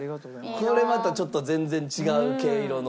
これまたちょっと全然違う毛色の。